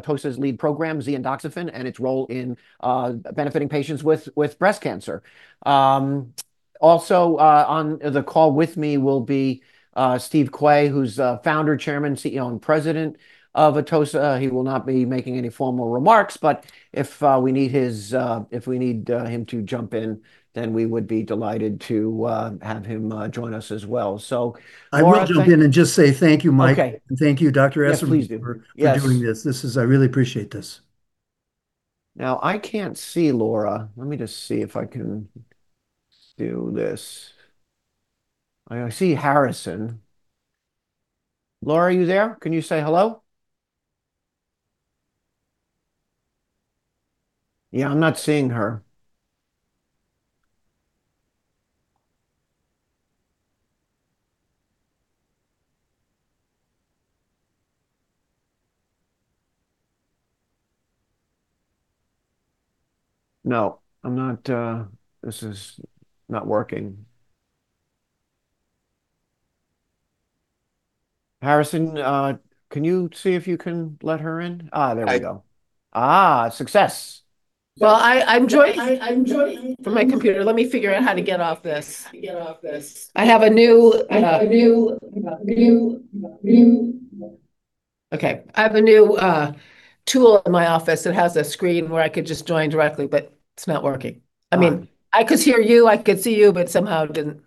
Atossa's lead program, (Z)-endoxifen, and its role in benefiting patients with breast cancer. Also, on the call with me will be Steven Quay, who's Founder, Chairman, CEO, and President of Atossa. He will not be making any formal remarks, but if we need his, if we need him to jump in, then we would be delighted to have him join us as well. Laura, thank- I will jump in and just say thank you, Mike. Okay. Thank you, Dr. Esserman. Yeah, please do. Yes For doing this. I really appreciate this. Now, I can't see Laura. Let me just see if I can do this. I see Harrison. Laura, are you there? Can you say hello? Yeah, I'm not seeing her. No, I'm not, this is not working. Harrison, can you see if you can let her in? There we go, success. Well, I'm joined from my computer. Let me figure out how to get off this. I have a new. Okay. I have a new tool in my office. It has a screen where I could just join directly, but it's not working. I mean, I could hear you, I could see you, but somehow it didn't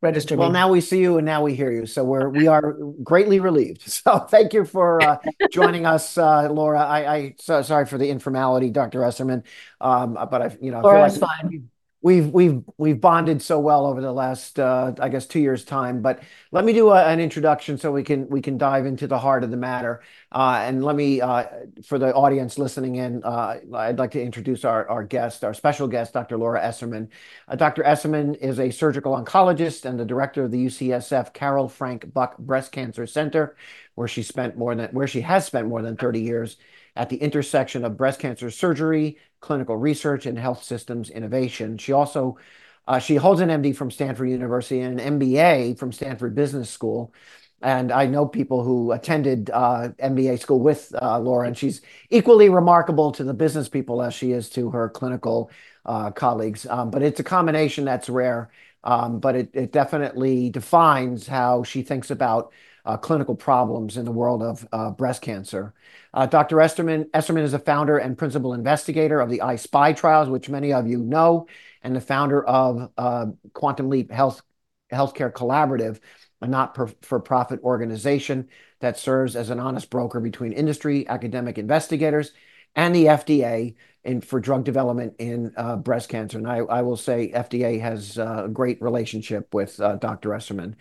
register me. Well, now we see you, and now we hear you, so we are greatly relieved. Thank you for joining us, Laura. I so sorry for the informality, Dr. Esserman. I've, you know. No, it's fine. We've bonded so well over the last, I guess two years' time. Let me do an introduction so we can dive into the heart of the matter. Let me, for the audience listening in, I'd like to introduce our guest, our special guest, Dr. Laura Esserman. Dr. Esserman is a surgical oncologist and the Director of the UCSF Carol Franc Buck Breast Cancer Center, where she has spent more than 30 years at the Intersection of Breast Cancer Surgery, Clinical Research, and Health Systems Innovation. She also, she holds an MD from Stanford University and an MBA from Stanford Business School. I know people who attended MBA school with Laura, and she's equally remarkable to the business people as she is to her clinical colleagues. It's a combination that's rare. It definitely defines how she thinks about clinical problems in the world of breast cancer. Dr. Esserman is a founder and principal investigator of the I-SPY trials, which many of you know, and the founder of Quantum Leap Healthcare Collaborative, a not-for-profit organization that serves as an honest broker between industry, academic investigators, and the FDA for drug development in breast cancer. I will say FDA has a great relationship with Dr. Esserman.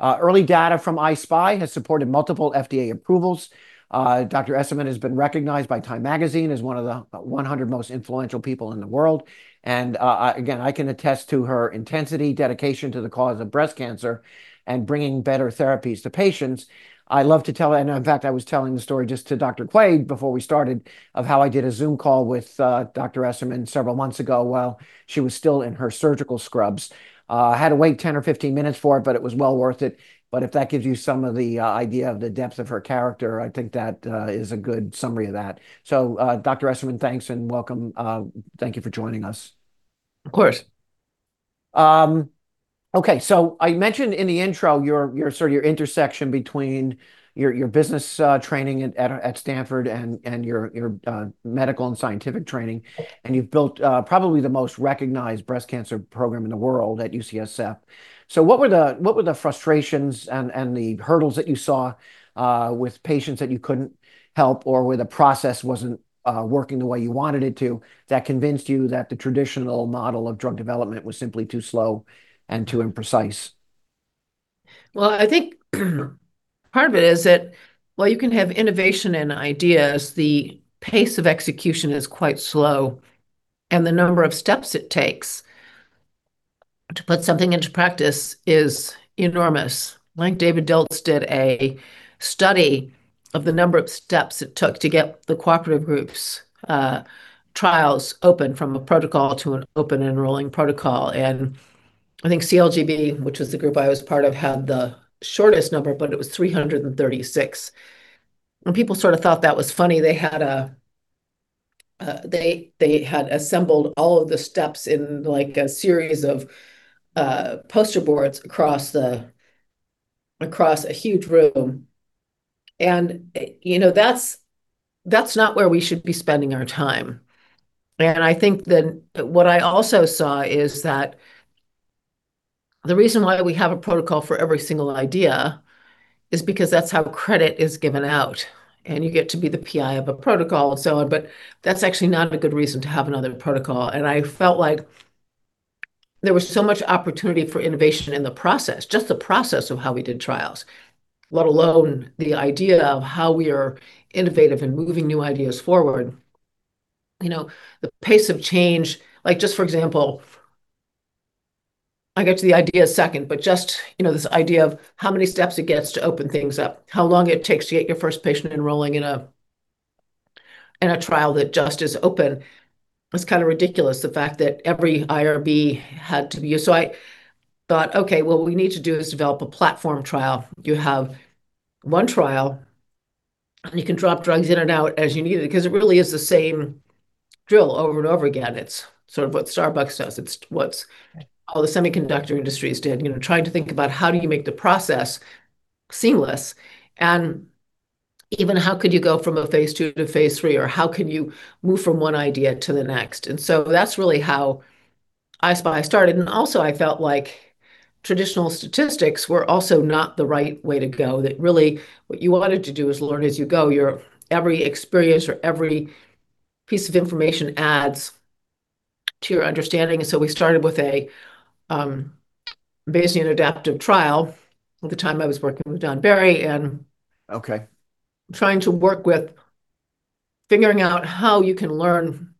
Early data from I-SPY has supported multiple FDA approvals. Dr. Esserman has been recognized by Time Magazine as one of the 100 most influential people in the world, and again, I can attest to her intensity, dedication to the cause of breast cancer, and bringing better therapies to patients. I love to tell, and in fact, I was telling this story just to Dr. Quay before we started, of how I did a Zoom call with Dr. Esserman several months ago while she was still in her surgical scrubs. Had to wait 10-minutes or 15-minutes for it was well worth it. If that gives you some of the, idea of the depth of her character, I think that, is a good summary of that. Dr. Esserman, thanks and welcome. Thank you for joining us. Of course. Okay, so I mentioned in the intro your, sort of your intersection between your business training at Stanford and your medical and scientific training, and you've built probably the most recognized breast cancer program in the world at UCSF. What were the frustrations and the hurdles that you saw with patients that you couldn't help, or where the process wasn't working the way you wanted it to, that convinced you that the traditional model of drug development was simply too slow and too imprecise? I think part of it is that while you can have innovation and ideas, the pace of execution is quite slow, and the number of steps it takes to put something into practice is enormous. Like David Dilts did a study of the number of steps it took to get the cooperative groups' trials open from a protocol to an open enrolling protocol, and I think CALGB, which was the group I was part of, had the shortest number, but it was 336. People sort of thought that was funny. They had a, they had assembled all of the steps in, like, a series of poster boards across the, across a huge room. You know, that's not where we should be spending our time. I think then what I also saw is that the reason why we have a protocol for every single idea is because that's how credit is given out, and you get to be the PI of a protocol and so on, but that's actually not a good reason to have another protocol. I felt like there was so much opportunity for innovation in the process, just the process of how we did trials, let alone the idea of how we are innovative and moving new ideas forward. You know, the pace of change, like just for example, I'll get to the idea second, but just, you know, this idea of how many steps it gets to open things up, how long it takes to get your first patient enrolling in a, in a trial that just is open. It's kind of ridiculous the fact that every IRB had to be used. I thought, okay, what we need to do is develop a platform trial. You have one trial, and you can drop drugs in and out as you need it, because it really is the same drill over and over again. It's sort of what Starbucks does. It's what's all the semiconductor industries did. You know, trying to think about how do you make the process seamless, and even how could you go from a phase II to phase III, or how can you move from one idea to the next? That's really how I-SPY started. I felt like traditional statistics were also not the right way to go, that really what you wanted to do is learn as you go. Every experience or every piece of information adds to your understanding. We started with a Bayesian Adaptive Trial. At the time I was working with Donald Berry and- Okay Trying to work with figuring out how you can learn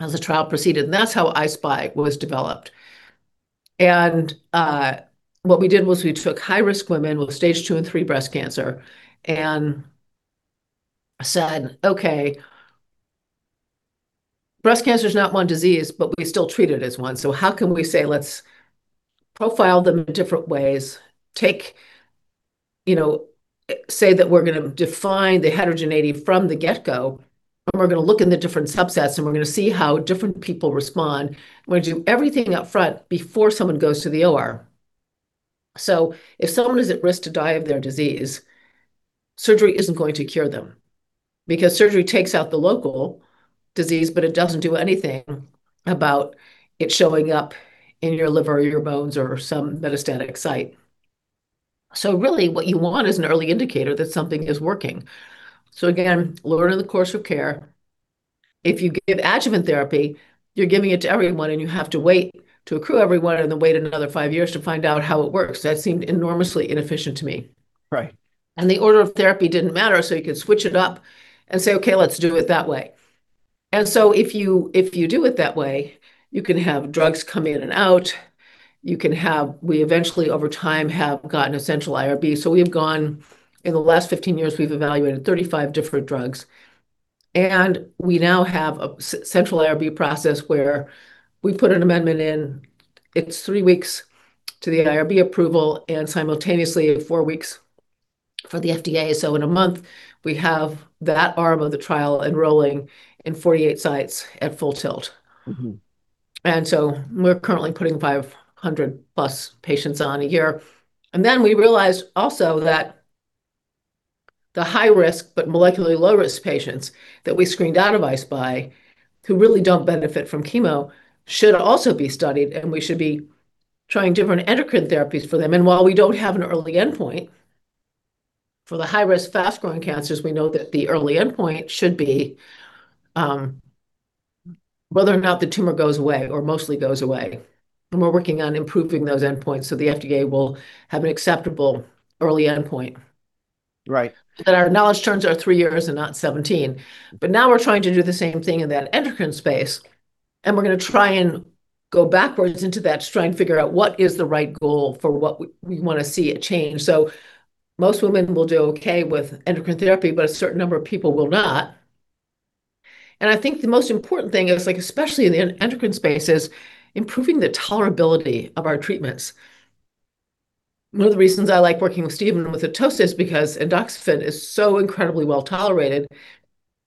as a trial proceeded. That's how I-SPY was developed. What we did was we took high-risk women with stage II and III breast cancer and said, okay, breast cancer's not one disease, but we still treat it as one. How can we say let's profile them in different ways? Take, you know, say that we're gonna define the heterogeneity from the get-go, and we're gonna look in the different subsets, and we're gonna see how different people respond. We're gonna do everything up front before someone goes to the OR. If someone is at risk to die of their disease, surgery isn't going to cure them because surgery takes out the local disease, but it doesn't do anything about it showing up in your liver or your bones or some metastatic site. Really what you want is an early indicator that something is working. Again, learn in the course of care. If you give adjuvant therapy, you're giving it to everyone, and you have to wait to accrue everyone and then wait another five years to find out how it works. That seemed enormously inefficient to me. Right. The order of therapy didn't matter, you could switch it up and say, okay, let's do it that way. If you do it that way, you can have drugs come in and out. We eventually over time have gotten a central IRB. In the last 15 years we've evaluated 35 different drugs, and we now have a central IRB process where we put an amendment in. It's three weeks to the IRB approval and simultaneously four weeks for the FDA. In a month we have that arm of the trial enrolling in 48 sites at full tilt. We're currently putting 500+ patients on one year. We realized also that the high-risk but molecularly low-risk patients that we screened out of I-SPY who really don't benefit from chemo should also be studied, and we should be trying different endocrine therapies for them. While we don't have an early endpoint for the high-risk, fast-growing cancers, we know that the early endpoint should be whether or not the tumor goes away or mostly goes away. We're working on improving those endpoints so the FDA will have an acceptable early endpoint. Right. That our knowledge turns are three years and not 17. Now we're trying to do the same thing in that endocrine space, and we're gonna try and go backwards into that to try and figure out what is the right goal for what we want to see it change. Most women will do okay with endocrine therapy, but a certain number of people will not. I think the most important thing is like especially in the endocrine space is improving the tolerability of our treatments. One of the reasons I like working with Steven with Atossa because endoxifen is so incredibly well-tolerated.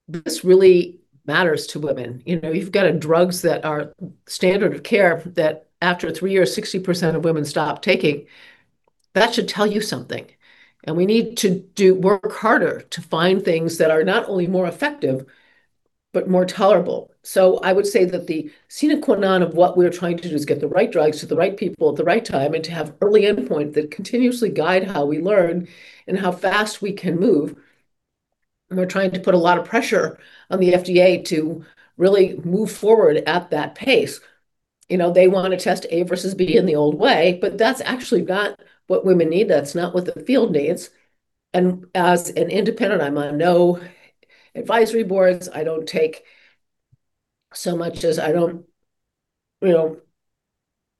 This really matters to women. You know, you've got a drugs that are standard of care that after three years 60% of women stop taking. That should tell you something, we need to work harder to find things that are not only more effective but more tolerable. I would say that the sine qua non of what we're trying to do is get the right drugs to the right people at the right time and to have early endpoint that continuously guide how we learn and how fast we can move, we're trying to put a lot of pressure on the FDA to really move forward at that pace. You know, they want to test A versus B in the old way, that's actually not what women need. That's not what the field needs. As an independent, I'm on no advisory boards. I don't take so much as I don't, you know,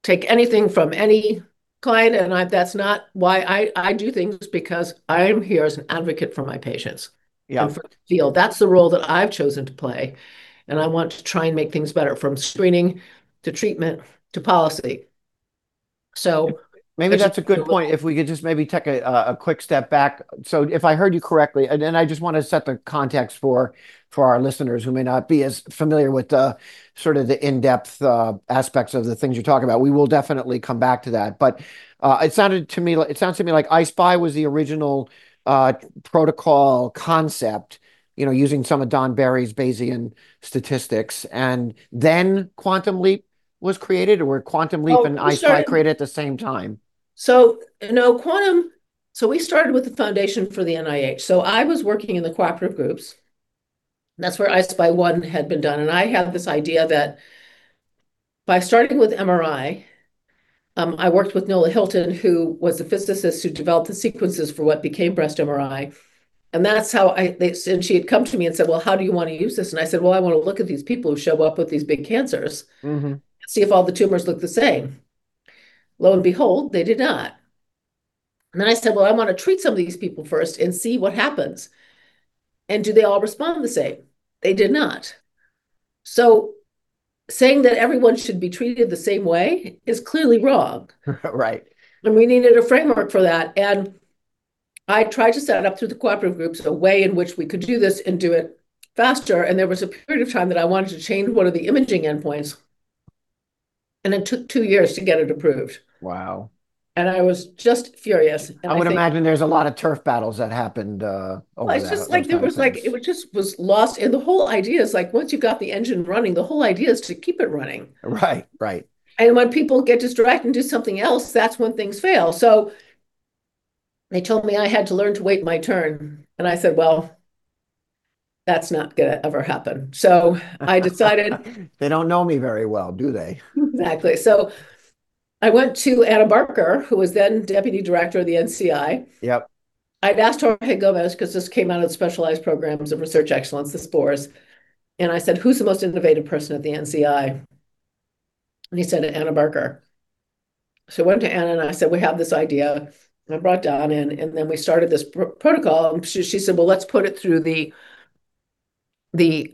take anything from any client, and I, that's not why I do things because I'm here as an advocate for my patients. Yeah For the field. That's the role that I've chosen to play, and I want to try and make things better from screening to treatment to policy. Maybe that's a good point, if we could just maybe take a quick step back. If I heard you correctly, and then I just want to set the context for our listeners who may not be as familiar with the, sort of the in-depth aspects of the things you're talking about. We will definitely come back to that. It sounded to me like, it sounds to me like I-SPY was the original protocol concept, you know, using some of Donald Berry's Bayesian statistics, and then Quantum Leap was created, or were Quantum Leap- Oh. I-SPY created at the same time? Quantum, we started with the Foundation for the NIH. I was working in the cooperative groups. That's where I-SPY1 had been done, and I had this idea that by starting with MRI, I worked with Nola Hylton, who was a physicist who developed the sequences for what became breast MRI, and that's how They said, she had come to me and said, well, how do you want to use this? And I said, well, I want to look at these people who show up with these big cancers. See if all the tumors look the same. Lo and behold, they did not. Then I said, well, I want to treat some of these people first and see what happens, and do they all respond the same?" They did not. Saying that everyone should be treated the same way is clearly wrong. Right. We needed a framework for that. I tried to set up through the cooperative groups a way in which we could do this and do it faster, and there was a period of time that I wanted to change one of the imaging endpoints, and it took years to get it approved. Wow. I was just furious. I think- I would imagine there's a lot of turf battles that happened over that. Well, it's just like- Kind of time. There was like, it was just lost. The whole idea is like, once you've got the engine running, the whole idea is to keep it running. Right. Right. When people get distracted and do something else, that's when things fail. They told me I had to learn to wait my turn, I said, well, that's not gonna ever happen. I decided. They don't know me very well, do they? Exactly. I went to Anna Barker, who was then Deputy Director of the NCI. Yep. I'd asked Jorge Gomez, because this came out of the Specialized Programs of Research Excellence, the SPOREs. I said, who's the most innovative person at the NCI? He said, Anna Barker. I went to Anna. I said, we have this idea. I brought Don in. Then we started this protocol. She said, well, let's put it through the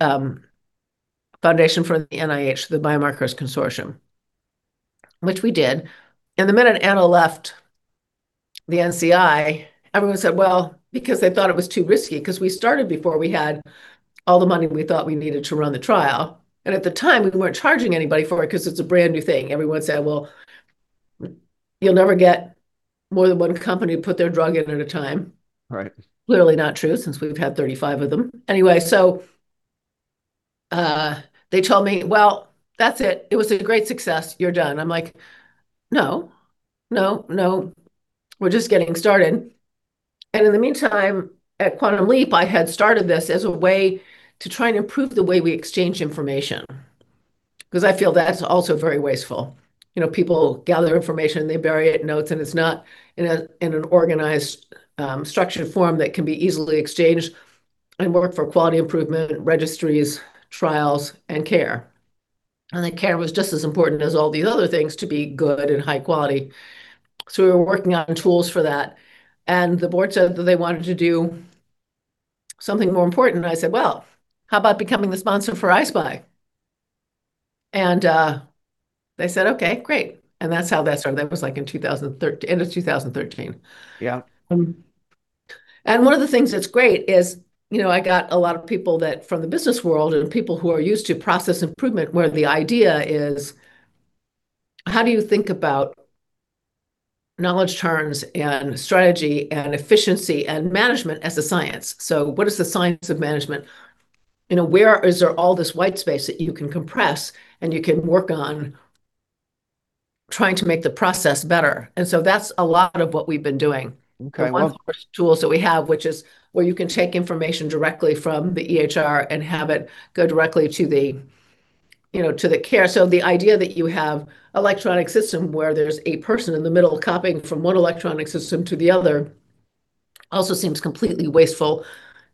Foundation for the NIH, the Biomarkers Consortium, which we did. The minute Anna left the NCI, everyone said, well, because they thought it was too risky, because we started before we had all the money we thought we needed to run the trial. At the time, we weren't charging anybody for it because it's a brand-new thing. Everyone said, well, you'll never get more than one company to put their drug in at a time. Right. Clearly not true, since we've had 35 of them. They told me, well, that's it. It was a great success. You're done. I'm like, no. No. No. We're just getting started. In the meantime, at Quantum Leap, I had started this as a way to try and improve the way we exchange information, because I feel that's also very wasteful. You know, people gather information and they bury it in notes, and it's not in an organized, structured form that can be easily exchanged and work for quality improvement, registries, trials, and care. The care was just as important as all these other things to be good and high quality. We were working on tools for that, and the board said that they wanted to do something more important. I said, well, how about becoming the sponsor for I-SPY? They said, okay, great. That's how that started. That was, like, in 2013, end of 2013. Yeah. One of the things that's great is, you know, I got a lot of people that, from the business world and people who are used to process improvement, where the idea is, how do you think about knowledge turns and strategy and efficiency and management as a science? What is the science of management? You know, where is there all this white space that you can compress and you can work on trying to make the process better? That's a lot of what we've been doing. Okay. One of the first tools that we have, which is where you can take information directly from the EHR and have it go directly to the, you know, to the care. The idea that you have electronic system where there's a person in the middle copying from one electronic system to the other also seems completely wasteful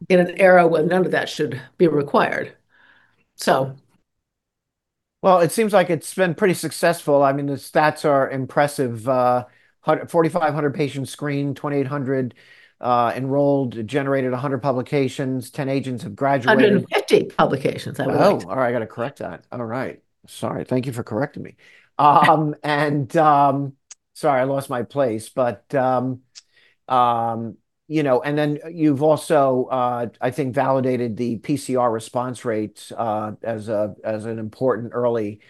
in an era when none of that should be required. Well, it seems like it's been pretty successful. I mean, the stats are impressive. 4,500 patients screened, 2,800 enrolled, generated 100 publications, 10 agents have graduated. 150 publications, I believe. All right. I got to correct that. All right. Sorry. Thank you for correcting me. Sorry, I lost my place. You know, then you've also, I think, validated the PCR response rates as an important early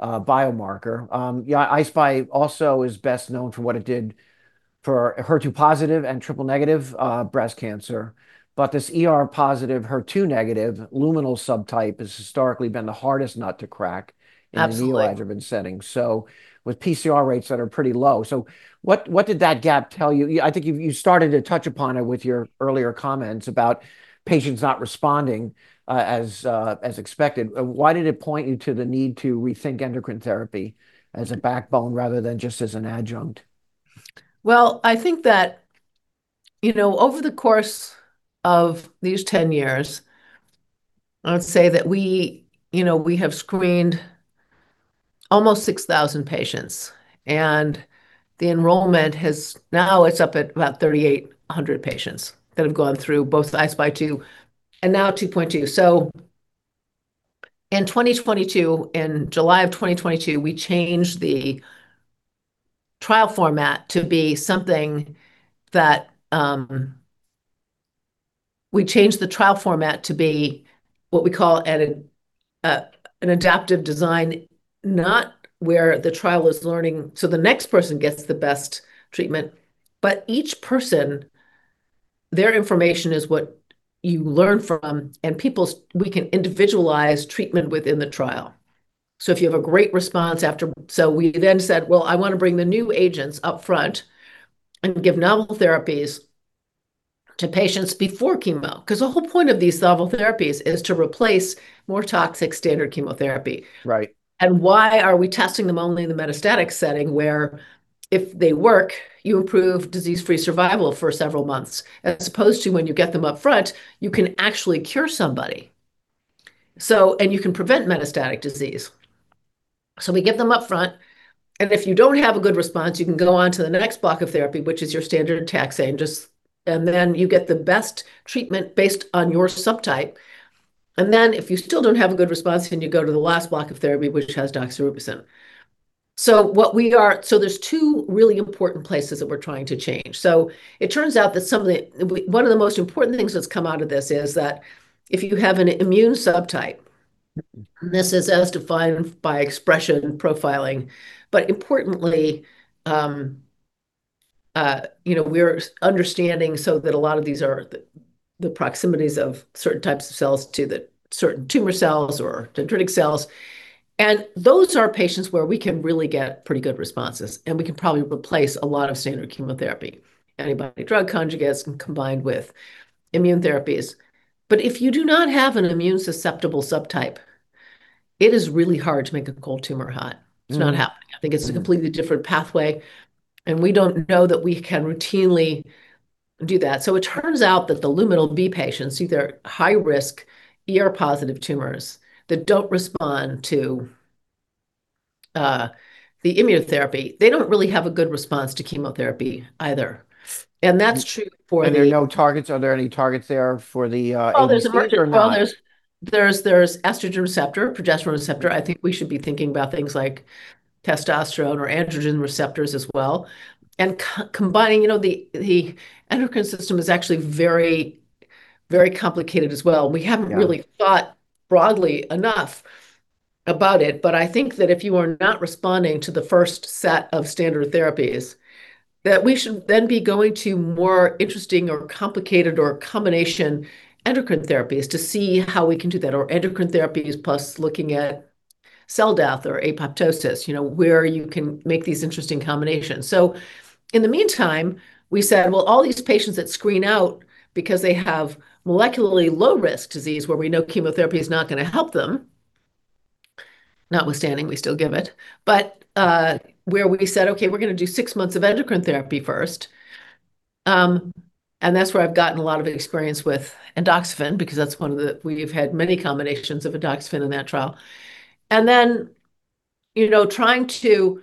biomarker. I-SPY also is best known for what it did for HER2+ and Triple-Negative Breast Cancer, but this ER+, HER2-negative luminal subtype has historically been the hardest nut to crack. Absolutely. In the neoadjuvant setting, with PCR rates that are pretty low. What did that gap tell you? I think you started to touch upon it with your earlier comments about patients not responding as expected. Why did it point you to the need to rethink endocrine therapy as a backbone rather than just as an adjunct? I think that, you know, over the course of these 10 years, I would say that we, you know, we have screened almost 6,000 patients, and the enrollment now it's up at about 3,800 patients that have gone through both I-SPY2 and now 2.2. In 2022, in July of 2022, we changed the trial format to be something that we changed the trial format to be what we call an adaptive design, not where the trial is learning so the next person gets the best treatment, but each person, their information is what you learn from, and people we can individualize treatment within the trial. We then said, well, I want to bring the new agents up front and give novel therapies to patients before chemo, because the whole point of these novel therapies is to replace more toxic standard chemotherapy. Right. Why are we testing them only in the metastatic setting, where if they work, you improve disease-free survival for several months, as opposed to when you get them up front, you can actually cure somebody. You can prevent metastatic disease. We give them upfront, and if you don't have a good response, you can go on to the next block of therapy, which is your standard taxane. Then you get the best treatment based on your subtype. If you still don't have a good response, then you go to the last block of therapy, which has docetaxel. There's two really important places that we're trying to change. It turns out that some of the one of the most important things that's come out of this is that if you have an immune subtype, and this is as defined by expression profiling, but importantly, you know, we're understanding so that a lot of these are the proximities of certain types of cells to the certain tumor cells or dendritic cells. Those are patients where we can really get pretty good responses, and we can probably replace a lot of standard chemotherapy. Antibody drug conjugates can combined with immune therapies. If you do not have an immune susceptible subtype, it is really hard to make a cold tumor hot. It's not happening. I think it's a completely different pathway. We don't know that we can routinely do that. It turns out that the luminal B patients, either high-risk ER-positive tumors that don't respond to the immunotherapy, they don't really have a good response to chemotherapy either. That's true for the- There are no targets. Are there any targets there for the immune system or not? Well, there's estrogen receptor, progesterone receptor. I think we should be thinking about things like testosterone or androgen receptors as well. Combining, you know, the endocrine system is actually very, very complicated as well. Yeah. We haven't really thought broadly enough about it, but I think that if you are not responding to the first set of standard therapies, that we should then be going to more interesting or complicated or combination endocrine therapies to see how we can do that, or endocrine therapies plus looking at cell death or apoptosis, you know, where you can make these interesting combinations. In the meantime, we said, well, all these patients that screen out because they have molecularly low-risk disease where we know chemotherapy is not gonna help them, notwithstanding we still give it, but where we said, okay, we're gonna do six months of endocrine therapy first, and that's where I've gotten a lot of experience with endoxifen because that's one of the, we've had many combinations of endoxifen in that trial. You know, trying to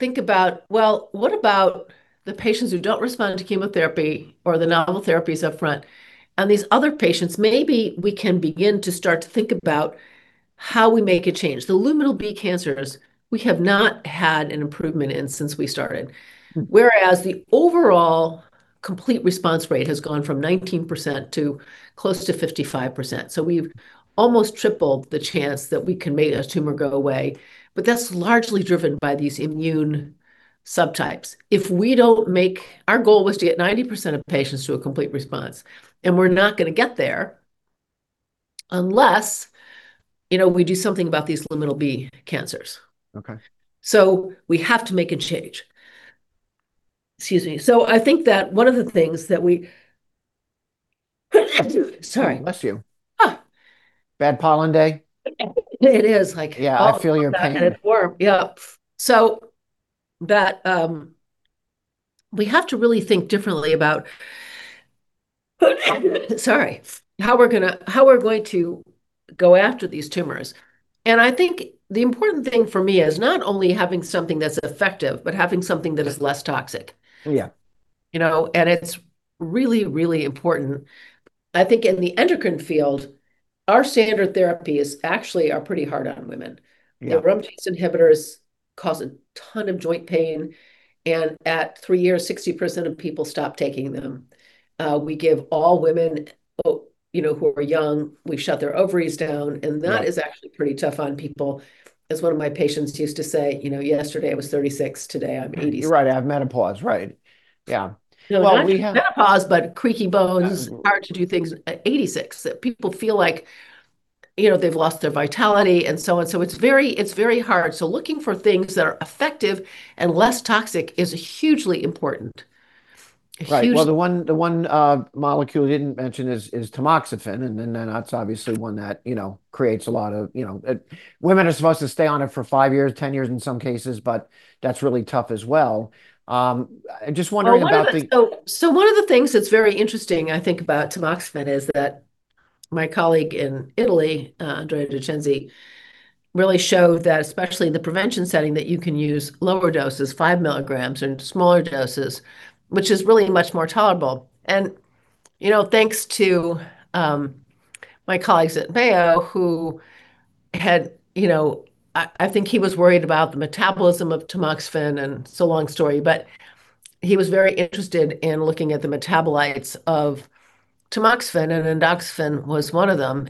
think about, well, what about the patients who don't respond to chemotherapy or the novel therapies upfront, and these other patients, maybe we can begin to start to think about how we make a change. The luminal-B cancers, we have not had an improvement in since we started. Whereas the overall complete response rate has gone from 19% to close to 55%. We've almost tripled the chance that we can make a tumor go away, but that's largely driven by these immune subtypes. Our goal was to get 90% of patients to a complete response, and we're not gonna get there unless, you know, we do something about these luminal-B cancers. Okay. We have to make a change. Excuse me. I think that one of the things that Sorry. Bless you. Bad pollen day? It is, like all over. Yeah, I feel your pain. It's warm. Yeah. That, sorry, we have to really think differently about how we're going to go after these tumors. I think the important thing for me is not only having something that's effective, but having something that is less toxic. Yeah. You know? It's really, really important. I think in the endocrine field, our standard therapies actually are pretty hard on women. Yeah. The aromatase inhibitors cause a ton of joint pain. At three years, 60% of people stop taking them. We give all women, you know, who are young, we've shut their ovaries down. That is actually pretty tough on people. As one of my patients used to say, you know, yesterday I was 36, today I'm 80. You're right, I have menopause. Right. Yeah. Well, we have. Not menopause, but creaky bones. That as well. It's hard to do things at 86. People feel like, you know, they've lost their vitality and so on, so it's very hard. Looking for things that are effective and less toxic is hugely important. Right. Well, the one molecule you didn't mention is tamoxifen, that's obviously one that, you know, creates a lot of, you know. Women are supposed to stay on it for five years, 10 years in some cases, that's really tough as well. Well, one of the things that's very interesting, I think, about tamoxifen is that my colleague in Italy, Andrea De Censi, really showed that especially in the prevention setting, that you can use lower doses, 5 mg and smaller doses, which is really much more tolerable. You know, thanks to my colleagues at Mayo who had, you know, I think he was worried about the metabolism of tamoxifen, and it's a long story, but he was very interested in looking at the metabolites of tamoxifen, and endoxifen was one of them.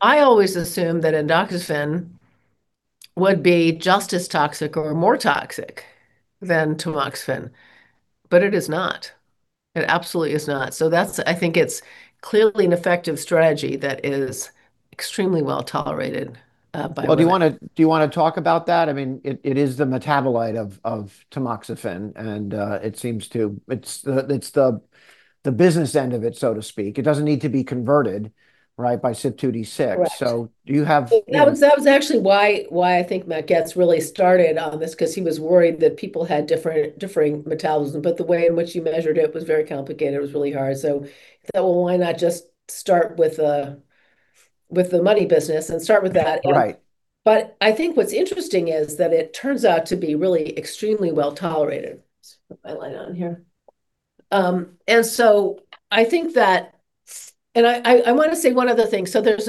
I always assumed that endoxifen would be just as toxic or more toxic than tamoxifen, it is not. It absolutely is not. I think it's clearly an effective strategy that is extremely well-tolerated by women. Well, do you wanna talk about that? I mean, it is the metabolite of tamoxifen, and it seems to, it's the business end of it, so to speak. It doesn't need to be converted, right, by CYP2D6. Right. Do you have, you know? That was actually why I think Matthew Goetz really started on this 'cause he was worried that people had differing metabolism. The way in which he measured it was very complicated. It was really hard. He thought, "Well, why not just start with the money business and start with that. Right. I think what's interesting is that it turns out to be really extremely well-tolerated. Let's put my light on here. I think that I want to say one other thing. There's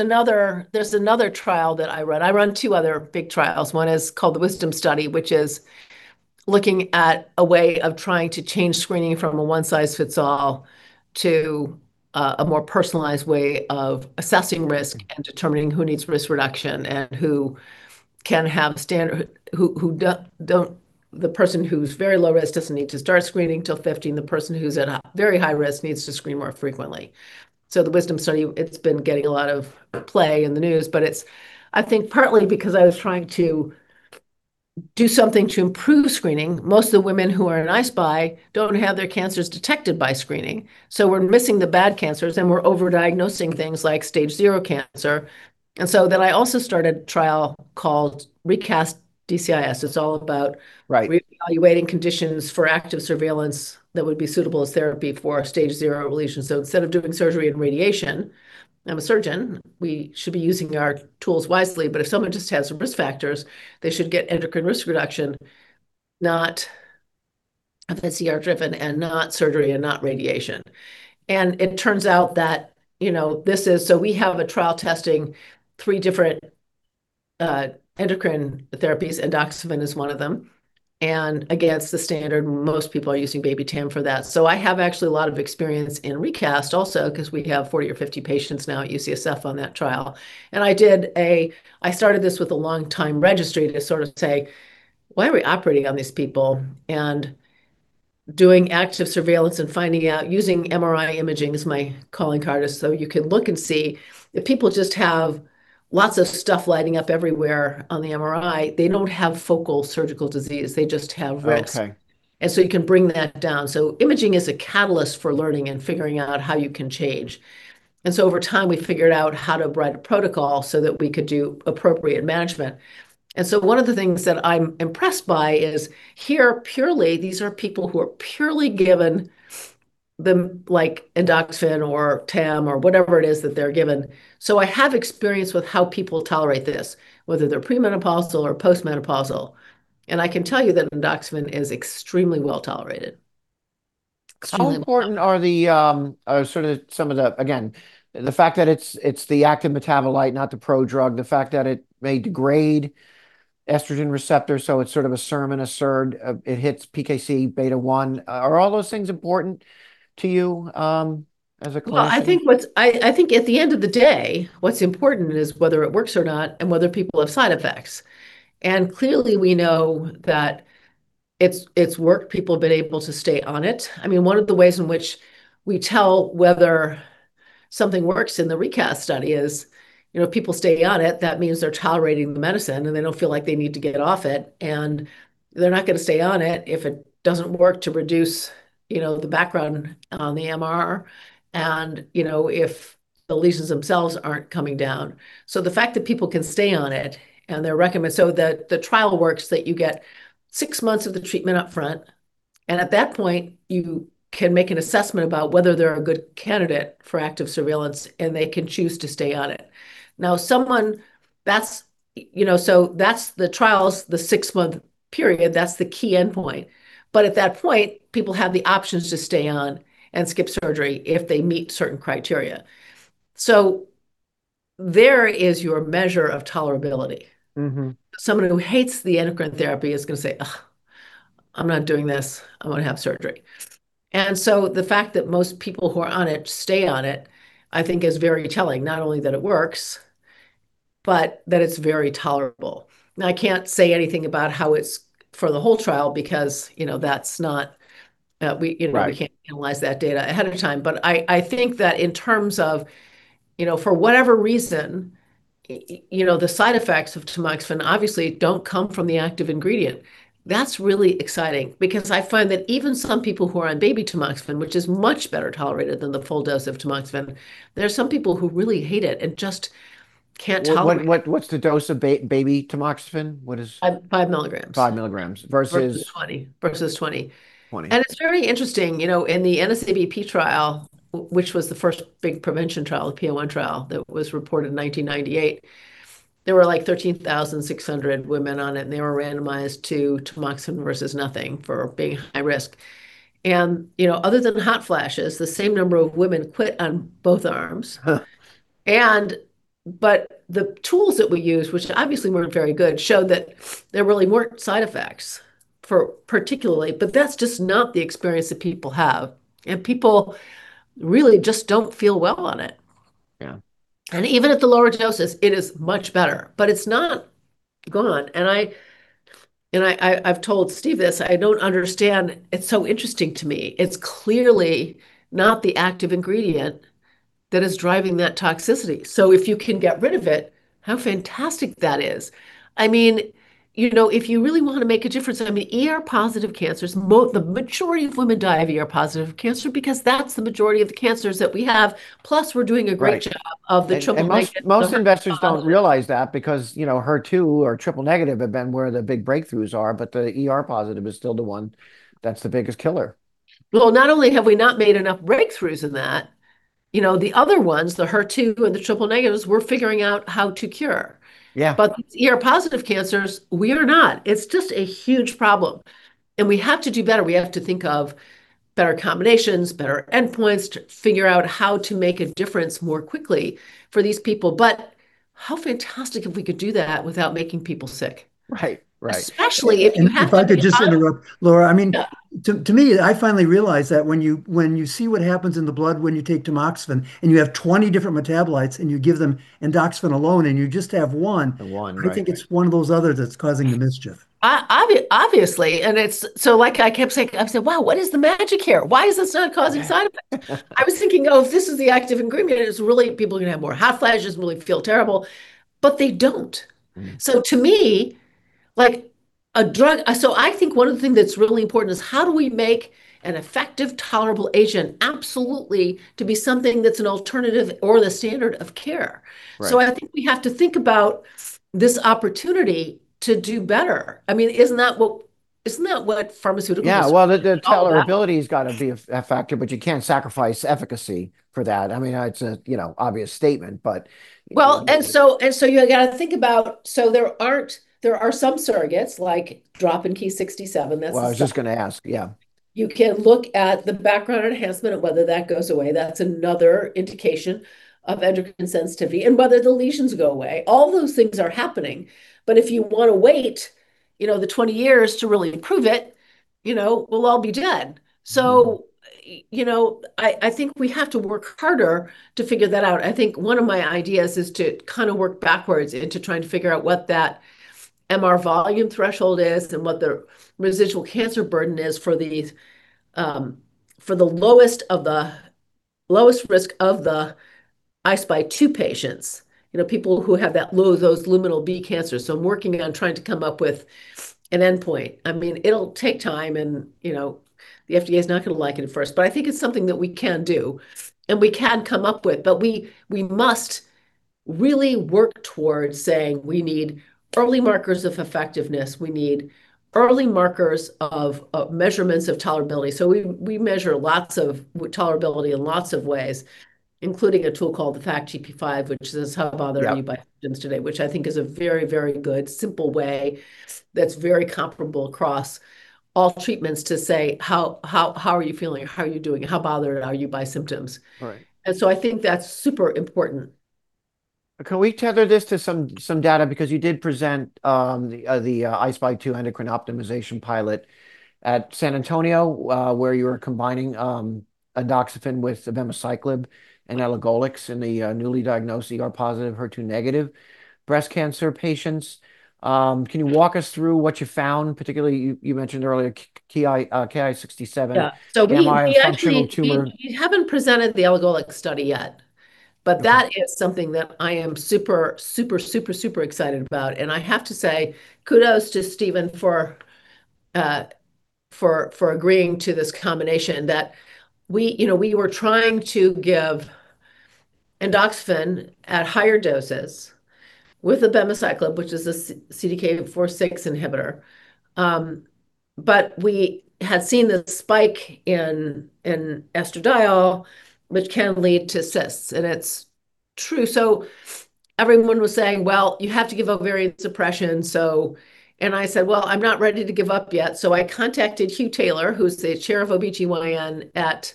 another trial that I run. I run two other big trials. One is called the Wisdom Study, which is looking at a way of trying to change screening from a one-size-fits-all to a more personalized way of assessing risk and determining who needs risk reduction and who can have standard- the person who's very low risk doesn't need to start screening till 50, and the person who's at a very high risk needs to screen more frequently. The Wisdom Study, it's been getting a lot of play in the news, but it's, I think, partly because I was trying to do something to improve screening. Most of the women who are in I-SPY don't have their cancers detected by screening, so we're missing the bad cancers and we're over-diagnosing things like stage 0 cancer. I also started a trial called RECAST DCIS. It's all about reevaluating conditions for active surveillance that would be suitable as therapy for stage 0 lesions. Instead of doing surgery and radiation, I'm a surgeon, we should be using our tools wisely. If someone just has some risk factors, they should get endocrine risk reduction, not PCR driven and not surgery and not radiation. It turns out that, you know, we have a trial testing three different endocrine therapies. Endoxifen is one of them. Against the standard, most people are using baby TAM for that. I have actually a lot of experience in RECAST also because we have 40 or 50 patients now at UCSF on that trial. I started this with a long time registry to sort of say, why are we operating on these people? Doing active surveillance and finding out, using MRI imaging is my calling card, is so you can look and see if people just have lots of stuff lighting up everywhere on the MRI, they don't have focal surgical disease. They just have risk. Oh, okay. You can bring that down. Imaging is a catalyst for learning and figuring out how you can change. Over time, we figured out how to write a protocol so that we could do appropriate management. One of the things that I'm impressed by is here purely, these are people who are purely given the, like endoxifen or Tam or whatever it is that they're given. I have experience with how people tolerate this, whether they're premenopausal or postmenopausal. I can tell you that endoxifen is extremely well-tolerated. How important are the sort of some of the, again, the fact that it's the active metabolite, not the prodrug, the fact that it may degrade estrogen receptors, so it's sort of a SERM and a SERD. It hits PKC Beta 1. Are all those things important to you as a clinician? Well, I think what's, I think at the end of the day, what's important is whether it works or not and whether people have side effects. Clearly we know that it's worked. People have been able to stay on it. I mean, one of the ways in which we tell whether something works in the RECAST study is, you know, people stay on it, that means they're tolerating the medicine and they don't feel like they need to get off it. They're not going to stay on it if it doesn't work to reduce, you know, the background on the MR. You know, if the lesions themselves aren't coming down. The fact that people can stay on it and the trial works that you get six months of the treatment up front, and at that point, you can make an assessment about whether they're a good candidate for active surveillance and they can choose to stay on it. Someone that's, you know, that's the trials, the six-month period, that's the key endpoint. At that point, people have the options to stay on and skip surgery if they meet certain criteria. There is your measure of tolerability. Someone who hates the endocrine therapy is going to say, Ugh, I'm not doing this. I want to have surgery. The fact that most people who are on it stay on it, I think is very telling, not only that it works, but that it's very tolerable. Now, I can't say anything about how it's for the whole trial because, you know, that's not, we, you know, we can't analyze that data ahead of time. I think that in terms of, you know, for whatever reason, you know, the side effects of tamoxifen obviously don't come from the active ingredient. That's really exciting because I find that even some people who are on baby tamoxifen, which is much better tolerated than the full dose of tamoxifen, there are some people who really hate it and just can't tolerate. What's the dose of baby tamoxifen? 5 mg. 5 mg versus- Versus 20 mg. It's very interesting, you know, in the NSABP trial, which was the first big prevention trial, the P-1 trial that was reported in 1998, there were like 13,600 women on it. They were randomized to tamoxifen versus nothing for being high risk. You know, other than hot flashes, the same number of women quit on both arms. Huh. The tools that we used, which obviously weren't very good, showed that there really weren't side effects for particularly, but that's just not the experience that people have. People really just don't feel well on it. Even at the lower doses, it is much better, but it's not gone. I've told Steve this, I don't understand. It's so interesting to me. It's clearly not the active ingredient that is driving that toxicity. If you can get rid of it, how fantastic that is. I mean, you know, if you really want to make a difference, I mean, ER-positive cancers, the majority of women die of ER-positive cancer because that's the majority of the cancers that we have. Plus, we're doing a great job. Right Of the Triple-Negative Most investors don't realize that because, you know, HER2 or Triple-Negative have been where the big breakthroughs are, but the ER-positive is still the one that's the biggest killer. Well, not only have we not made enough breakthroughs in that, you know, the other ones, the HER2 and the Triple Negatives, we're figuring out how to cure. Yeah. ER-positive cancers, we are not. It's just a huge problem, and we have to do better. We have to think of better combinations, better endpoints to figure out how to make a difference more quickly for these people. How fantastic if we could do that without making people sick. Right. Especially if you have- If I could just interrupt, Laura. Yeah. I mean, to me, I finally realized that when you see what happens in the blood when you take tamoxifen and you have 20 different metabolites and you give them endoxifen alone and you just have one- The one, right. I think it's one of those others that's causing the mischief. Obviously, it's like I kept saying, I'm saying, wow, what is the magic here? Why is this not causing side effects? I was thinking, oh, if this is the active ingredient, it's really, people are gonna have more hot flashes, really feel terrible, but they don't. To me, like, a drug, so I think one other thing that's really important is how do we make an effective, tolerable agent absolutely to be something that's an alternative or the standard of care. Right. I think we have to think about this opportunity to do better. I mean, isn't that what it's all about? The tolerability has got to be a factor, but you can't sacrifice efficacy for that. I mean, it's a, you know, obvious statement, but, you know. Well, you gotta think about, there are some surrogates, like drop in Ki-67. Well, I was just gonna ask, yeah. You can look at the background enhancement of whether that goes away. That's another indication of endocrine sensitivity, and whether the lesions go away. All those things are happening, but if you want to wait, you know, the 20 years to really prove it, you know, we'll all be dead. You know, I think we have to work harder to figure that out. I think one of my ideas is to kind of work backwards into trying to figure out what that MR volume threshold is and what the residual cancer burden is for these, for the lowest of the lowest risk of the I-SPY2 patients, you know, people who have that low, those luminal B cancers. I'm working on trying to come up with an endpoint. I mean, it'll take time and, you know, the FDA's not gonna like it at first, but I think it's something that we can do and we can come up with. We must really work towards saying we need early markers of effectiveness. We need early markers of measurements of tolerability. We measure lots of tolerability in lots of ways, including a tool called the FACT-GP5, which says how bothered are you by symptoms today, which I think is a very, very good, simple way that's very comparable across all treatments to say how are you feeling? How are you doing? How bothered are you by symptoms? Right. I think that's super important. Can we tether this to some data? You did present the I-SPY2 endocrine optimization pilot at San Antonio, where you were combining endoxifen with abemaciclib and elagolix in the newly diagnosed ER positive, HER2 negative breast cancer patients. Can you walk us through what you found? Particularly, you mentioned earlier Ki-67? Yeah MR functional tumor. We actually haven't presented the elagolix study yet. That is something that I am super excited about, and I have to say kudos to Steven for agreeing to this combination that we, you know, we were trying to give endoxifen at higher doses with abemaciclib, which is a CDK4/6 inhibitor. We had seen the spike in estradiol, which can lead to cysts, and it's true. Everyone was saying, well, you have to give ovarian suppression. I said, well, I'm not ready to give up yet. I contacted Hugh Taylor, who's the chair of OBGYN at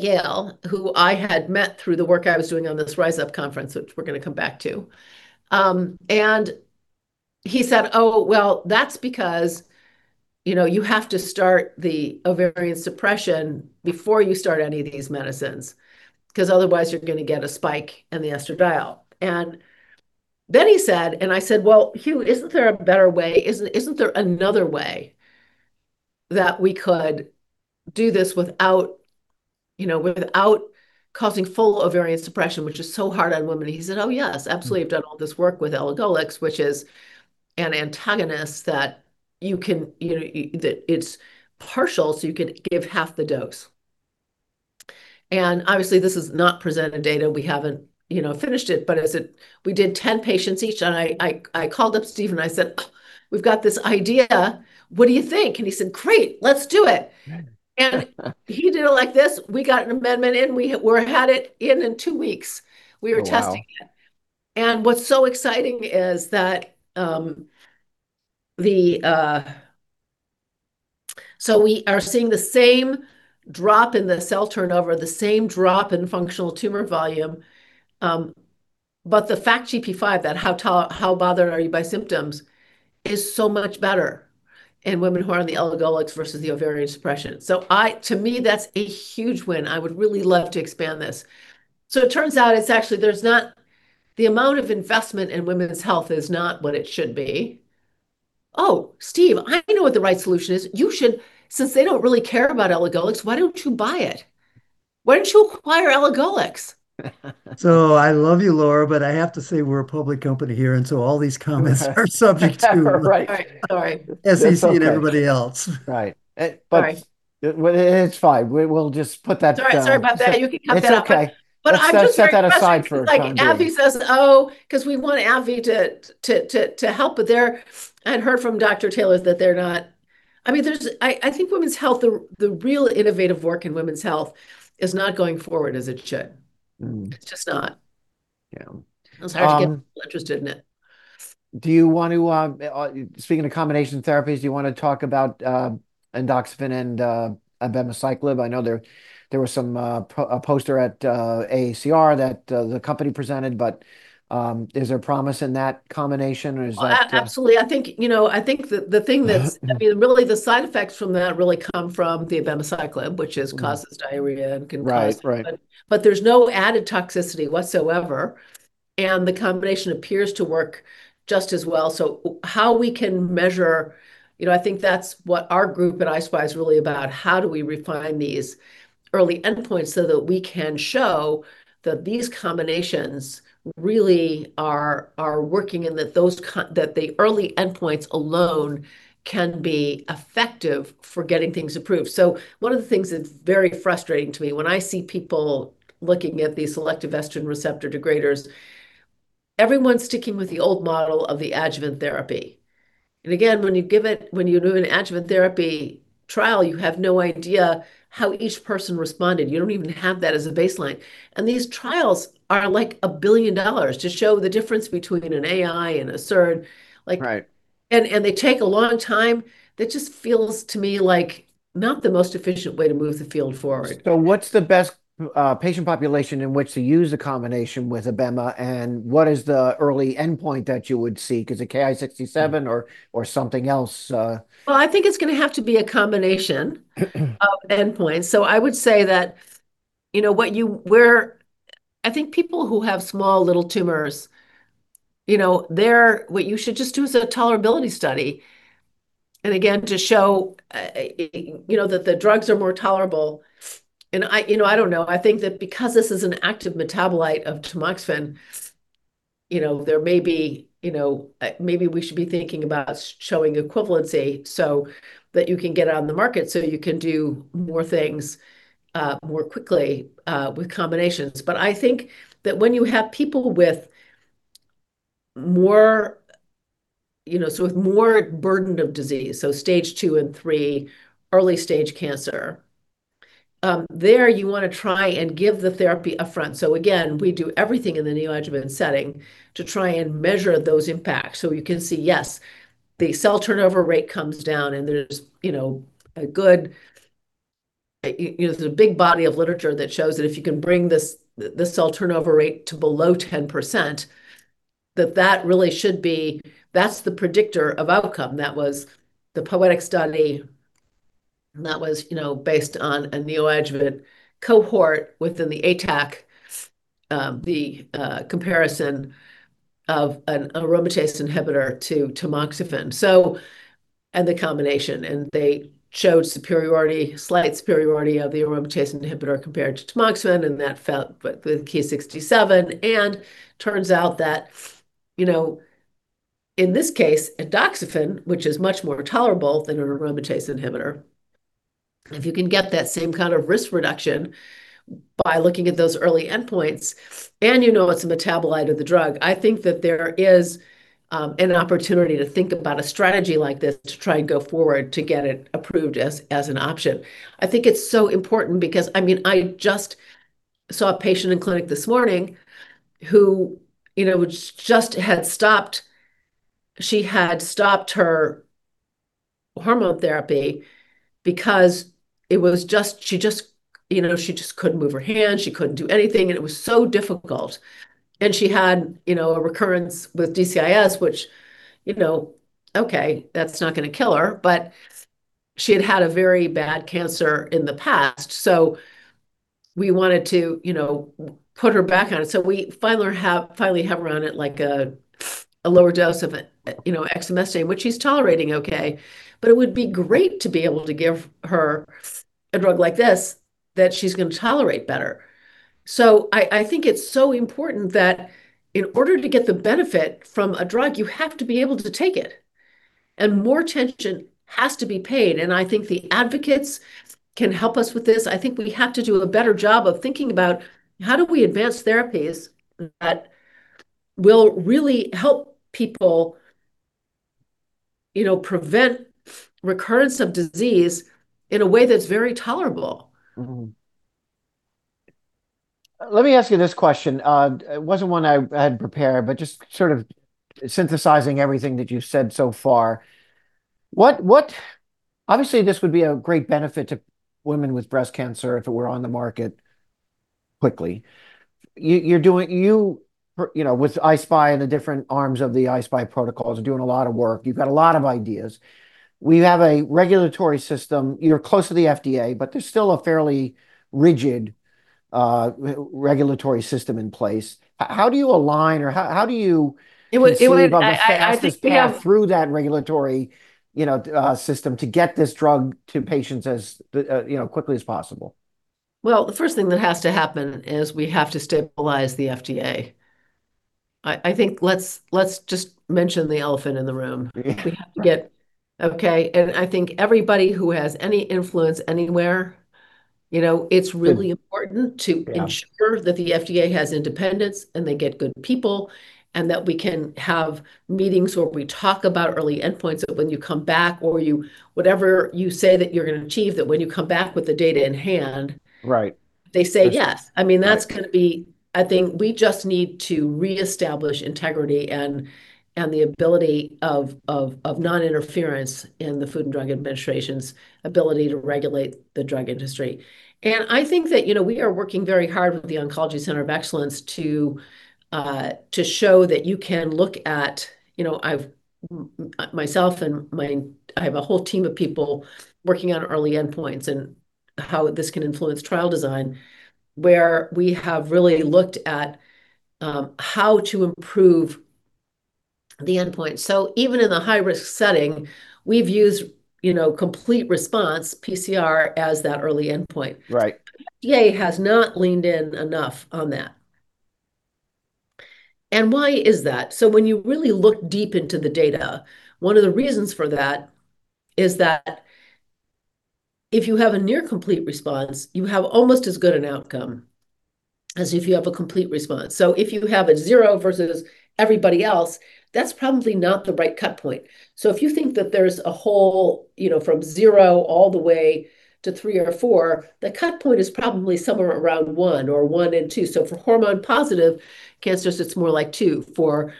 Yale, who I had met through the work I was doing on this Rise Up conference, which we're going to come back to. He said, oh, well, that's because, you know, you have to start the ovarian suppression before you start any of these medicines, because otherwise you're going to get a spike in the estradiol. He said, and I said, well, Hugh, isn't there a better way? Isn't there another way that we could do this without, you know, causing full ovarian suppression, which is so hard on women? He said, oh, yes, absolutely. I've done all this work with elagolix, which is an antagonist that you can, you know, that it's partial, so you can give half the dose. Obviously, this is not presented data. We haven't, you know, finished it. We did 10 patients each, and I called up Steve and I said, we've got this idea, what do you think? He said, great, let's do it. Yeah. He did it like this. We got an amendment in. We had it in two weeks we were testing it. Oh, wow. What's so exciting is that, we are seeing the same drop in the cell turnover, the same drop in functional tumor volume. The FACT-GP5, that how bothered are you by symptoms, is so much better in women who are on the elagolix versus the ovarian suppression. I, to me, that's a huge win. I would really love to expand this. It turns out it's actually, there's not, the amount of investment in women's health is not what it should be. Oh, Steve, I know what the right solution is. You should, since they don't really care about elagolix, why don't you buy it? Why don't you acquire elagolix? I love you, Laura, but I have to say we're a public company here, and so all these comments are subject to. Right, right. Sorry SEC and everybody else. Right. It's fine. We'll just put that. Sorry. Sorry about that. You can cut that out. it's okay. I'm just very frustrated. Let's set that aside for a time being. Like AbbVie says, oh, because we want AbbVie to help, and heard from Dr. Taylor is that they're not. I mean, I think women's health, the real innovative work in women's health is not going forward as it should. It's just not. Yeah. It's hard to get people interested in it. Do you want to, speaking of combination therapies, do you want to talk about endoxifen and abemaciclib? I know there was some a poster at AACR that the company presented, but is there promise in that combination, or is that? Well, absolutely. I think, you know, I think. I mean, really the side effects from that really come from the abemaciclib, which causes diarrhea and can cause. Right. There's no added toxicity whatsoever, and the combination appears to work just as well. How we can measure, you know, I think that's what our group at I-SPY is really about, how do we refine these early endpoints so that we can show that these combinations really are working, and that those that the early endpoints alone can be effective for getting things approved. One of the things that's very frustrating to me when I see people looking at the selective estrogen receptor degraders, everyone's sticking with the old model of the adjuvant therapy. Again, when you give it, when you do an adjuvant therapy trial, you have no idea how each person responded. You don't even have that as a baseline, these trials are, like, a billion dollar to show the difference between an AI and a SERD. Right They take a long time. That just feels to me like not the most efficient way to move the field forward. What's the best patient population in which to use a combination with abemaciclib, and what is the early endpoint that you would seek? Is it Ki-67 or something else? Well, I think it's gonna have to be a combination of endpoints. I would say that, you know, where I think people who have small, little tumors, you know, what you should just do is a tolerability study, and again, to show, you know, that the drugs are more tolerable. I, you know, I don't know. I think that because this is an active metabolite of tamoxifen, you know, there may be, you know, maybe we should be thinking about showing equivalency so that you can get it on the market so you can do more things, more quickly, with combinations. I think that when you have people with more, you know, so with more burden of disease, so Stage II and III early stage cancer, there you want to try and give the therapy upfront. Again, we do everything in the neoadjuvant setting to try and measure those impacts so we can see, yes, the cell turnover rate comes down, and there's, you know, a good, you know, there's a big body of literature that shows that if you can bring the cell turnover rate to below 10%, that really should be, that's the predictor of outcome. That was the POETIC study, and that was, you know, based on a neoadjuvant cohort within the ATAC, the comparison of an aromatase inhibitor to tamoxifen, so, and the combination. They showed superiority, slight superiority of the aromatase inhibitor compared to tamoxifen, and that felt, with Ki-67. Turns out that, you know, in this case, endoxifen, which is much more tolerable than an aromatase inhibitor, if you can get that same kind of risk reduction by looking at those early endpoints, and you know it's a metabolite of the drug, I think that there is an opportunity to think about a strategy like this to try and go forward to get it approved as an option. I think it's so important because, I mean, I just saw a patient in clinic this morning who, you know, just had stopped her hormone therapy because it was just, you know, she just couldn't move her hand. She couldn't do anything, and it was so difficult. She had, you know, a recurrence with DCIS, which, you know, okay, that's not gonna kill her, but she had had a very bad cancer in the past, so we wanted to, you know, put her back on it. We finally have her on at, like, a lower dose of, you know, exemestane, which she's tolerating okay. It would be great to be able to give her a drug like this that she's going to tolerate better. I think it's so important that in order to get the benefit from a drug, you have to be able to take it, and more attention has to be paid, and I think the advocates can help us with this. I think we have to do a better job of thinking about, how do we advance therapies that will really help people, you know, prevent recurrence of disease in a way that's very tolerable? Let me ask you this question. It wasn't one I had prepared, but just sort of synthesizing everything that you've said so far. Obviously, this would be a great benefit to women with breast cancer if it were on the market quickly. You're doing, you know, with I-SPY and the different arms of the I-SPY protocols are doing a lot of work. You've got a lot of ideas. We have a regulatory system. You're close to the FDA, but there's still a fairly rigid regulatory system in place. How do you align, or how do you? It would I think. Conceive of the fastest path through that regulatory, you know, system to get this drug to patients as, you know, quickly as possible? Well, the first thing that has to happen is we have to stabilize the FDA. I think let's just mention the elephant in the room. Yeah. We have to. Okay? I think everybody who has any influence anywhere, you know, it's really important. Yeah To ensure that the FDA has independence and they get good people, and that we can have meetings where we talk about early endpoints, that when you come back, whatever you say that you're going to achieve, that when you come back with the data in hand. Right They say yes. I mean, that's gonna be, I think we just need to reestablish integrity and the ability of non-interference in the Food and Drug Administration's ability to regulate the drug industry. I think that, you know, we are working very hard with the Oncology Center of Excellence to show that you can look at, you know, I've myself and my, I have a whole team of people working on early endpoints and how this can influence trial design, where we have really looked at how to improve the endpoint. Even in the high-risk setting, we've used, you know, complete response, PCR, as that early endpoint. Right. FDA has not leaned in enough on that. Why is that? When you really look deep into the data, one of the reasons for that is that if you have a near complete response, you have almost as good an outcome as if you have a complete response. If you have a 0 versus everybody else, that's probably not the right cut point. If you think that there's a whole, you know, from 0 all the way to 3 or 4, the cut point is probably somewhere around 1 or 1 and 2. For hormone positive cancers, it's more like 2. For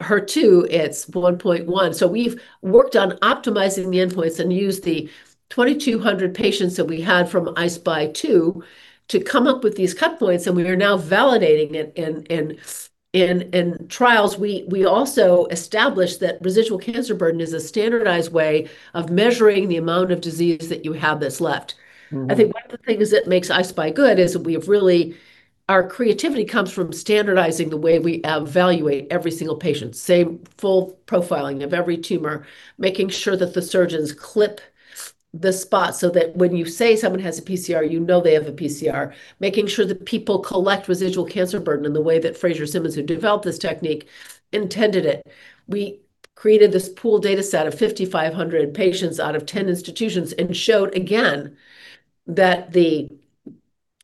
HER2, it's 1.1. We've worked on optimizing the endpoints and used the 2,200 patients that we had from I-SPY2 to come up with these cut points, and we are now validating it in trials. We also established that residual cancer burden is a standardized way of measuring the amount of disease that you have that's left. I think one of the things that makes I-SPY good is we have really, our creativity comes from standardizing the way we evaluate every single patient, same full profiling of every tumor, making sure that the surgeons clip the spot so that when you say someone has a PCR, you know they have a PCR, making sure that people collect residual cancer burden in the way that Fraser Symmans, who developed this technique, intended it. We created this pool data set of 5,500 patients out of 10 institutions, and showed again that the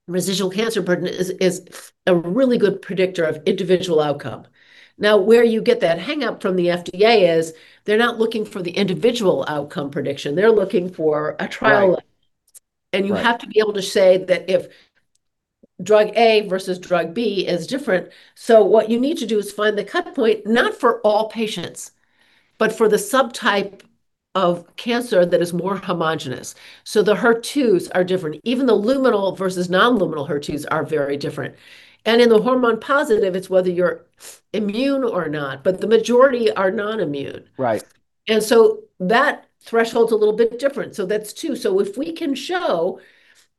residual cancer burden is a really good predictor of individual outcome. Where you get that hang-up from the FDA is they're not looking for the individual outcome prediction. They're looking for a trial. Right You have to be able to say that if drug A versus drug B is different. What you need to do is find the cut point, not for all patients, but for the subtype of cancer that is more homogenous. The HER2s are different. Even the luminal versus non-luminal HER2s are very different. In the hormone positive, it's whether you're immune or not, but the majority are non-immune. Right. That threshold's a little bit different, so that's two. If we can show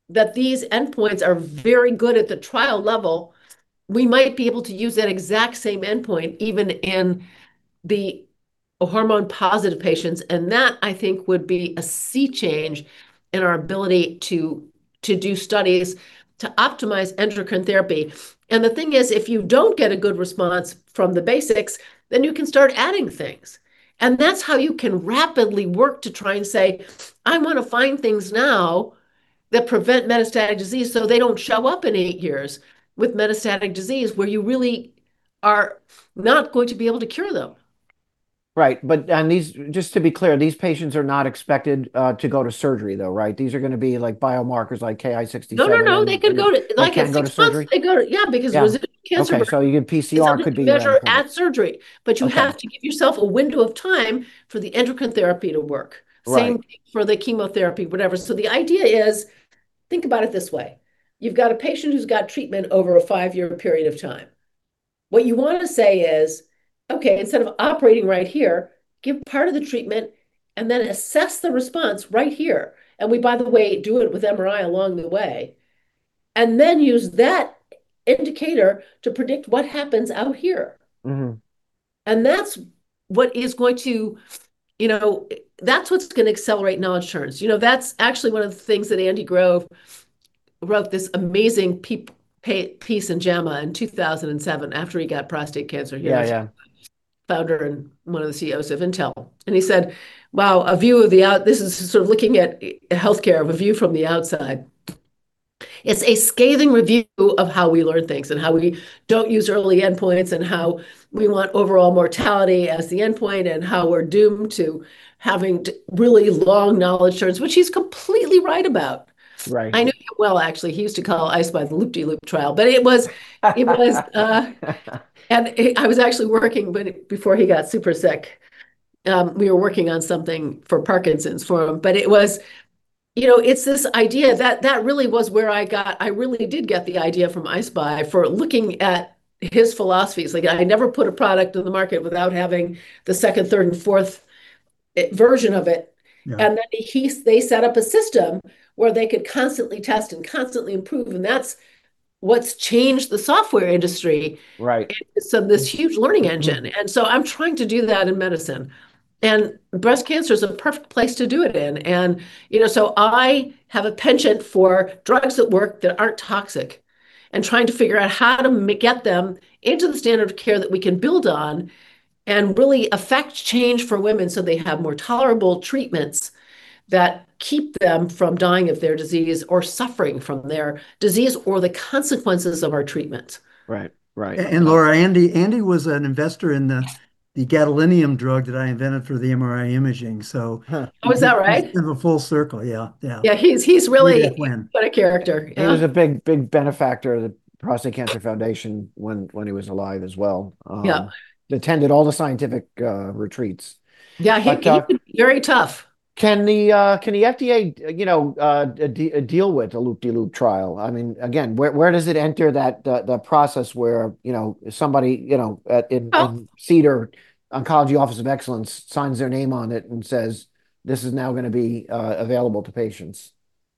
that these endpoints are very good at the trial level, we might be able to use that exact same endpoint even in the hormone-positive patients, and that, I think, would be a sea change in our ability to do studies to optimize endocrine therapy. The thing is, if you don't get a good response from the basics, then you can start adding things, and that's how you can rapidly work to try and say, I want to find things now that prevent metastatic disease so they don't show up in eight years with metastatic disease, where you really are not going to be able to cure them. Right. Just to be clear, these patients are not expected to go to surgery though, right? These are gonna be like biomarkers like Ki-67. No, no. They could go to- Okay Like at six months. To go to surgery? They go to, yeah, because residual cancer- Yeah. Okay, you get pCR could be an endpoint. is under measure at surgery. Okay. You have to give yourself a window of time for the endocrine therapy to work. Right. Same thing for the chemotherapy, whatever. The idea is, think about it this way. You've got a patient who's got treatment over a five-year period of time. What you want to say is, okay, instead of operating right here, give part of the treatment and then assess the response right here. We, by the way, do it with MRI along the way, and then use that indicator to predict what happens out here. That's what is going to, you know, that's what's gonna accelerate knowledge turns. You know, that's actually one of the things that Andy Grove wrote this amazing piece in JAMA in 2007 after he got prostate cancer. He was founder and one of the Chief Executive Officers of Intel, and he said, wow, a view of the out. This is sort of looking at healthcare, a view from the outside. It's a scathing review of how we learn things and how we don't use early endpoints and how we want overall mortality as the endpoint and how we're doomed to having really long knowledge turns, which he's completely right about. Right. I knew him well, actually. He used to call I-SPY the loop-de-loop trial. I was actually working with, before he got super sick, we were working on something for Parkinson's for him. It was, you know, it's this idea that really was where I really did get the idea from I-SPY for looking at his philosophies. Like, I never put a product on the market without having the second, third, and fourth version of it. Yeah. They set up a system where they could constantly test and constantly improve, and that's what's changed the software industry. Right. It's of this huge learning engine. I'm trying to do that in medicine. Breast cancer is a perfect place to do it in. You know, I have a penchant for drugs that work that aren't toxic, and trying to figure out how to get them into the standard of care that we can build on and really affect change for women so they have more tolerable treatments that keep them from dying of their disease or suffering from their disease or the consequences of our treatments. Right. Right. Laura, Andy was an investor. Yeah The gadolinium drug that I invented for the MRI imaging. Huh. Oh, is that right? It's kind of a full circle, yeah. Yeah, he's. Big fan. What a character. Yeah. He was a big benefactor of the Prostate Cancer Foundation when he was alive as well. Yeah Attended all the scientific retreats. Yeah- But, uh- He could be very tough. Can the FDA, you know, deal with a loop-de-loop trial? I mean, again, where does it enter that, the process where, you know, somebody, you know CDER Oncology Center of Excellence signs their name on it and says, this is now gonna be available to patients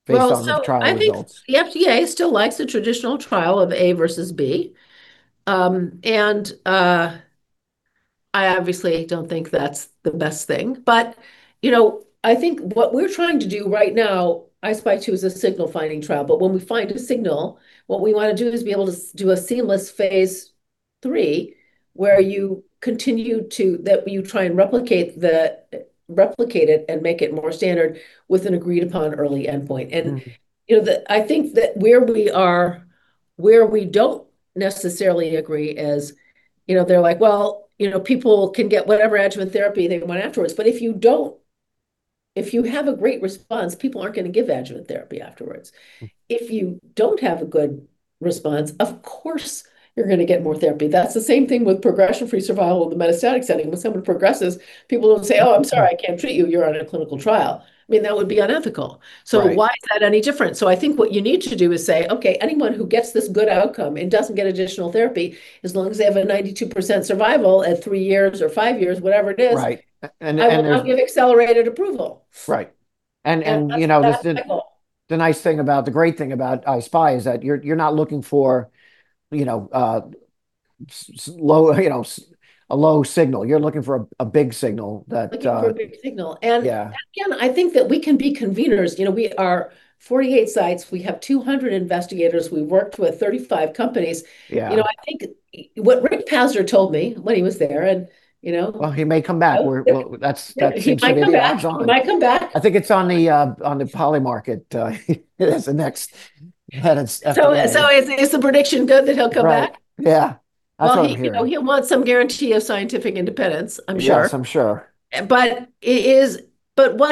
based on the trial results? I think the FDA still likes a traditional trial of A versus B. I obviously don't think that's the best thing, but, you know, I think what we're trying to do right now, I-SPY2 is a signal-finding trial. When we find a signal, what we wanna do is be able to do a seamless phase III, where you continue to, that you try and replicate it and make it more standard with an agreed-upon early endpoint. You know, the, I think that where we are, where we don't necessarily agree is, you know, they're like, well, you know, people can get whatever adjuvant therapy they want afterwards. If you don't, if you have a great response, people aren't gonna give adjuvant therapy afterwards. If you don't have a good response, of course you're gonna get more therapy. That's the same thing with progression-free survival in the metastatic setting. When someone progresses, people don't say, oh, I'm sorry. I can't treat you. You're on a clinical trial. I mean, that would be unethical. Right. Why is that any different? I think what you need to do is say, okay, anyone who gets this good outcome and doesn't get additional therapy, as long as they have a 92% survival at three years or five years, whatever it is. Right. I will now give accelerated approval. Right. you know. That's the goal. The nice thing about, the great thing about I-SPY is that you're not looking for, you know, low, you know, a low signal. You're looking for a big signal that. Looking for a big signal. Yeah. Again, I think that we can be conveners. You know, we are 48 sites. We have 200 investigators. We've worked with 35 companies. Yeah. You know, I think what Richard Pazdur told me when he was there. Well, he may come back. Well, that seems to be the odds. He might come back. He might come back. I think it's on the on the Polymarket as the next head of CDER. Is the prediction good that he'll come back? Right. Yeah. That's what I'm hearing. Well, he, you know, he'll want some guarantee of scientific independence, I'm sure. Yes, I'm sure. What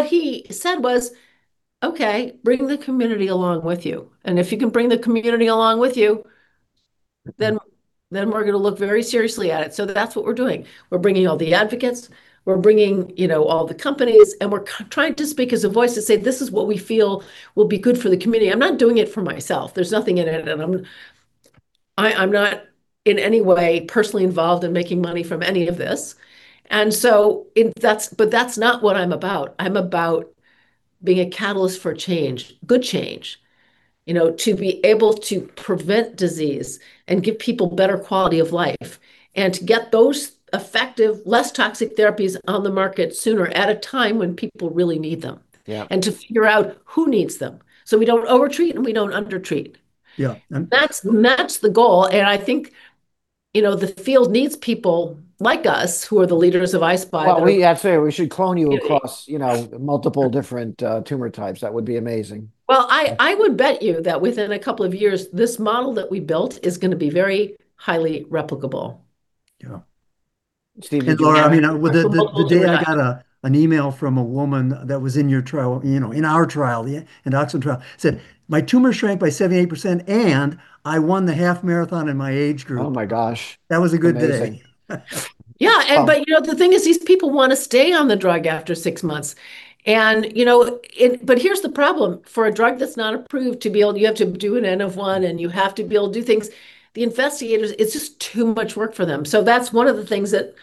he said was, okay, bring the community along with you, and if you can bring the community along with you, we're gonna look very seriously at it." That's what we're doing. We're bringing all the advocates. We're bringing, you know, all the companies, and we're trying to speak as a voice to say, this is what we feel will be good for the community. I'm not doing it for myself. There's nothing in it and I'm not in any way personally involved in making money from any of this. That's not what I'm about. I'm about being a catalyst for change, good change, you know, to be able to prevent disease and give people better quality of life, and to get those effective, less toxic therapies on the market sooner at a time when people really need them. Yeah. To figure out who needs them, so we don't over-treat and we don't under-treat. Yeah. That's the goal. I think, you know, the field needs people like us, who are the leaders of I-SPY. Well, I'd say we should clone you across-. Yeah you know, multiple different, tumor types. That would be amazing. Well, I would bet you that within a couple of years this model that we built is gonna be very highly replicable. Yeah. Steve, did you have. Laura, I mean, with the. We'll do that. The day I got an email from a woman that was in your trial, you know, in our trial, yeah, in endoxifen trial, said, my tumor shrank by 78% and I won the half-marathon in my age group. Oh my gosh. That was a good day. Amazing. Yeah, you know, the thing is these people wanna stay on the drug after six months. You know, here's the problem. For a drug that's not approved to be able, you have to do an N of 1 and you have to be able to do things. The investigators, it's just too much work for them. That's one of the things that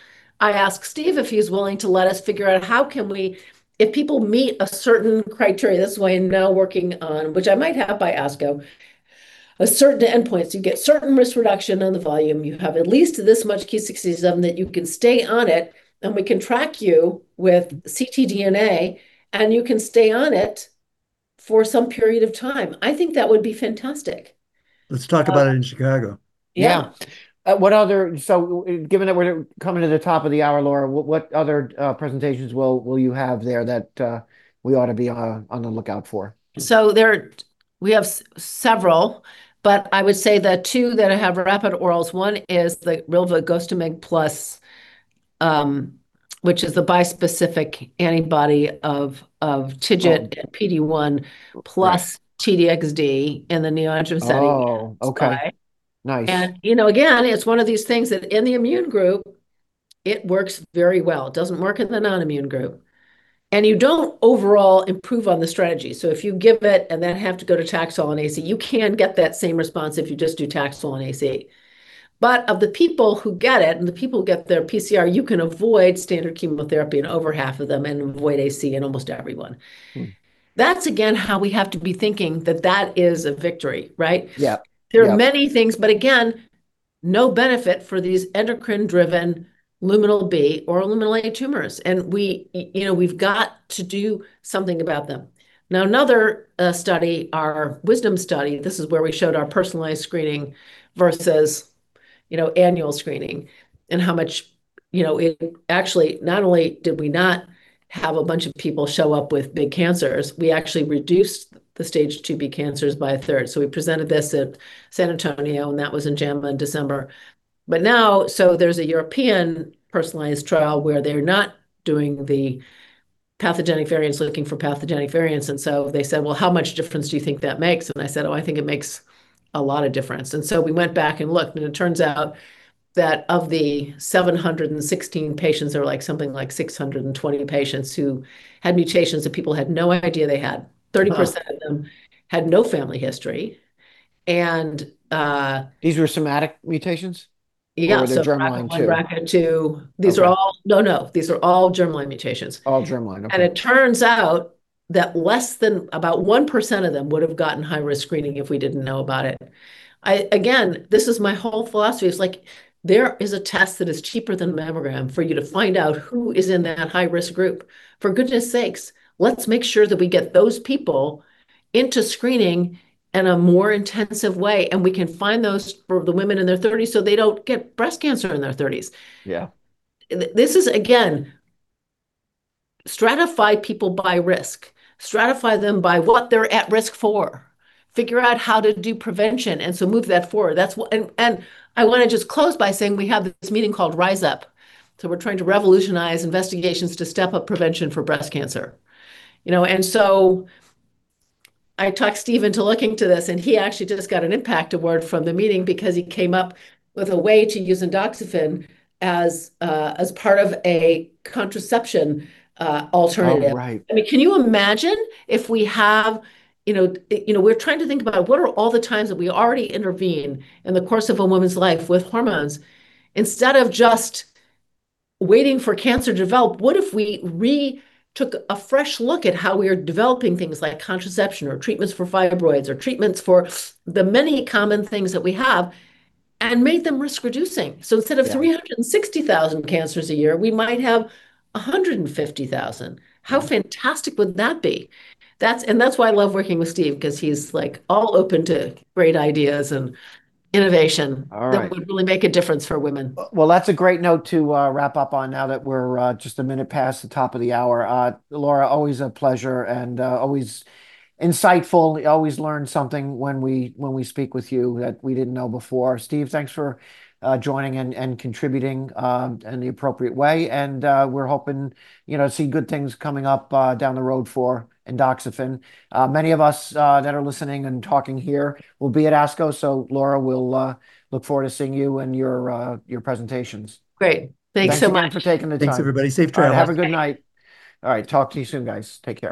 I asked Steve if he's willing to let us figure out how can we, if people meet a certain criteria, that's what I'm now working on, which I might have by ASCO, a certain endpoint. You get certain risk reduction on the volume. You have at least this much p63, then you can stay on it, and we can track you with ctDNA, and you can stay on it for some period of time. I think that would be fantastic. Uh- Let's talk about it in Chicago. Yeah. Yeah. What other, given that we're coming to the top of the hour, Laura, what other presentations will you have there that we ought to be on the lookout for? There are, we have several, but I would say the two that have rapid orals, one is the rilvegostomig plus, which is the bispecific antibody of TIGIT PD-1. Right plus T-DXd in the neo-adjuvant setting. Oh, okay. It's Nice. You know, again, it's one of these things that in the immune group it works very well. It doesn't work in the non-immune group. You don't overall improve on the strategy. If you give it and then have to go to Taxol and AC, you can get that same response if you just do Taxol and AC. Of the people who get it and the people who get their PCR, you can avoid standard chemotherapy in over half of them and avoid AC in almost everyone. That's, again, how we have to be thinking that that is a victory, right? Yeah. Yeah. There are many things, again, no benefit for these endocrine-driven luminal B or luminal A tumors, and we, you know, we've got to do something about them. Another study, our Wisdom Study, this is where we showed our personalized screening versus, you know, annual screening. You know, it actually not only did we not have a bunch of people show up with big cancers, we actually reduced the Stage II-B cancers by a third. We presented this at San Antonio, and that was in JAMA in December. There's a European personalized trial where they're not doing the pathogenic variants, looking for pathogenic variants. They said, well, how much difference do you think that makes? I said, oh, I think it makes a lot of difference. We went back and looked, and it turns out that of the 716 patients, there were something like 620 patients who had mutations that people had no idea they had. Wow. 30% of them had no family history. These were somatic mutations? Yeah. Were they germline too? BRCA1, BRCA2. Okay. These are all germline mutations. All germline. Okay. It turns out that less than about 1% of them would've gotten high-risk screening if we didn't know about it. I, again, this is my whole philosophy, is like there is a test that is cheaper than a mammogram for you to find out who is in that high-risk group. For goodness sakes, let's make sure that we get those people into screening in a more intensive way, and we can find those for the women in their 30s so they don't get breast cancer in their 30s. Yeah. This is again, stratify people by risk. Stratify them by what they're at risk for. Figure out how to do prevention, and so move that forward. That's and I wanna just close by saying we have this meeting called Rise Up. We're trying to revolutionize investigations to step up prevention for breast cancer. You know, I talked Steve into looking to this, and he actually just got an impact award from the meeting because he came up with a way to use endoxifen as part of a contraception alternative. Oh, right. I mean, can you imagine if we have, you know, we're trying to think about what are all the times that we already intervene in the course of a woman's life with hormones. Instead of just waiting for cancer to develop, what if we re-took a fresh look at how we are developing things like contraception or treatments for fibroids or treatments for the many common things that we have, and made them risk-reducing. Yeah. Instead of 360,000 cancers a year, we might have 150,000. How fantastic would that be? That's why I love working with Steve, 'cause he's, like, all open to great ideas. All right. that would really make a difference for women. Well, that's a great note to wrap up on now that we're just a minute past the top of the hour. Laura, always a pleasure, and always insightful. Always learn something when we speak with you that we didn't know before. Steve, thanks for joining and contributing in the appropriate way. We're hoping, you know, to see good things coming up down the road for endoxifen. Many of us that are listening and talking here will be at ASCO, so Laura, we'll look forward to seeing you and your presentations. Great. Thanks so much. Thanks so much for taking the time. Thanks, everybody. Safe travels. Okay. All right, have a good night. All right, talk to you soon, guys. Take care.